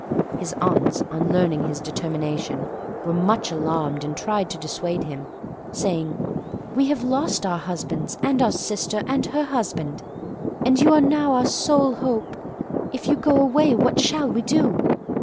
His aunts, on learning his determination, were much alarmed and tried to dissuade him, saying, "We have lost our husbands, and our sister and her husband, and you are now our sole hope; if you go away, what shall we do?"